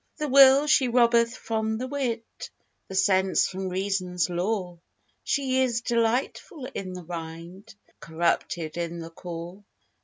The will she robbeth from the wit, The sense from reason's lore; She is delightful in the rind, Corrupted in the core.